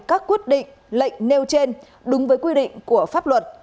các quyết định lệnh nêu trên đúng với quy định của pháp luật